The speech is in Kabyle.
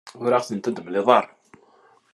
Ur aɣ-tent-id-temliḍ ara.